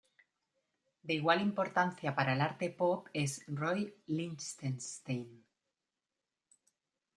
De igual importancia para el arte pop es Roy Lichtenstein.